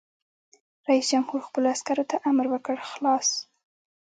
رئیس جمهور خپلو عسکرو ته امر وکړ؛ خلاص!